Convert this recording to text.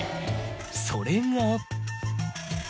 それが。